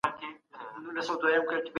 متخصصينو د وروسته پاته والي علتونه څېړل.